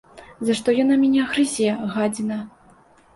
За што яна мяне грызе, гадзіна!